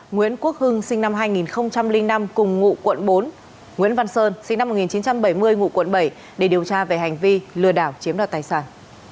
nguyễn quốc hưng sinh năm hai nghìn năm cùng ngụ quận bốn nguyễn văn sơn sinh năm một nghìn chín trăm bảy mươi ngụ quận bảy để điều tra về hành vi lừa đảo chiếm đoạt tài sản